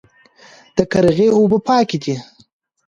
د قرغې اوبه پاکې دي